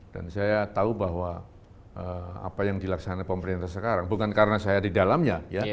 dan saya tahu bahwa apa yang dilaksanakan pemerintah sekarang bukan karena saya di dalamnya